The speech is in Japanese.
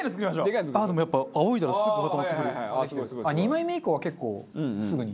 ２枚目以降は結構すぐに。